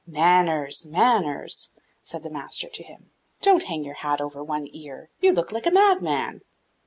'Manners, manners!' said the master to him; 'don't hang your hat over one ear; you look like a madman!